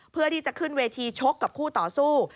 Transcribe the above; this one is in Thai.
เพื่อที่จะขึ้นเวทีชกกับคู่ต่อสู้